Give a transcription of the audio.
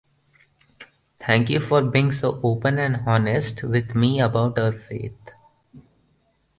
thank you for being so open and honest with me about our faith.